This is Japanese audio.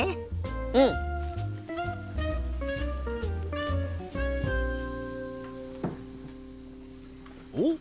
うん！おっ！